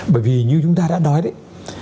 bởi vì như chúng ta đã nói đấy